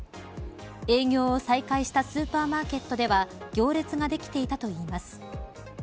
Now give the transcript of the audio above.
営業を再開したスーパーマーケットでは行列ができていたといいます。